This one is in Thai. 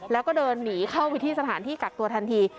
แล้วก็เดินหนีเข้าไปที่สถานที่กักตัวทันที